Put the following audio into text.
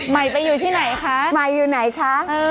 ใหม่ไปอยู่ที่ไหนคะใหม่อยู่ไหนคะ